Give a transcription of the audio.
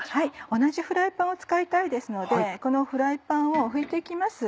同じフライパンを使いたいですのでこのフライパンを拭いて行きます。